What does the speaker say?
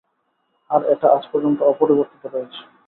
আর এটা আজ পর্যন্ত অপরিবর্তিত রয়েছে।